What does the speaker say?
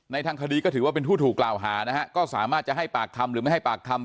ทางคดีก็ถือว่าเป็นผู้ถูกกล่าวหานะฮะก็สามารถจะให้ปากคำหรือไม่ให้ปากคำ